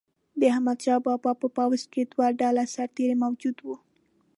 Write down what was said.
د احمدشاه بابا په پوځ کې دوه ډوله سرتیري موجود وو.